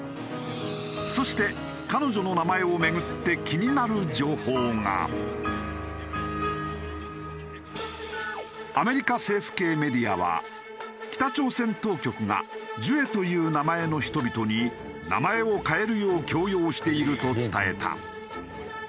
そして彼女のアメリカ政府系メディアは北朝鮮当局がジュエという名前の人々に名前を変えるよう強要していると伝えた。